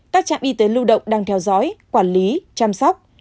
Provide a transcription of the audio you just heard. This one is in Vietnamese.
các trạm y tế lưu động đang theo dõi quản lý chăm sóc